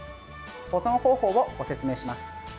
保存方法をご説明します。